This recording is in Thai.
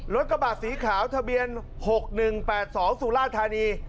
กระบาดสีขาวทะเบียน๖๑๘๒สุราธานี